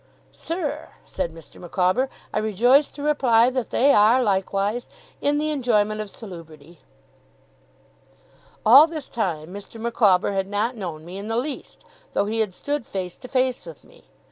'Sir,' said Mr. Micawber, 'I rejoice to reply that they are, likewise, in the enjoyment of salubrity.' All this time, Mr. Micawber had not known me in the least, though he had stood face to face with me.